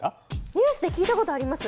ニュースで聞いたことあります。